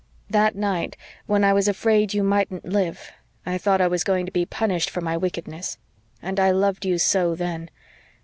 "That night, when I was afraid you mightn't live I thought I was going to be punished for my wickedness and I loved you so then.